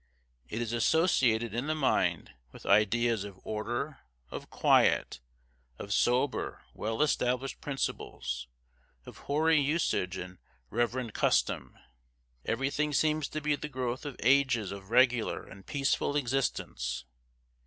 It is associated in the mind with ideas of order, of quiet, of sober well established principles, of hoary usage and reverend custom. Every thing seems to be the growth of ages of regular and peaceful existence.